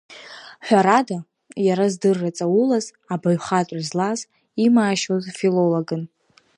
Ҳәарада, иара здырра ҵаулаз, абаҩхатәра злаз, имаашьоз филологын.